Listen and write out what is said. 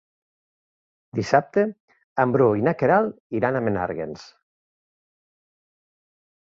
Dissabte en Bru i na Queralt iran a Menàrguens.